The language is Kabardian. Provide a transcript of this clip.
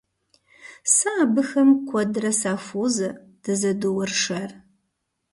Сэ абыхэм куэдрэ сахуозэ, дызэдоуэршэр.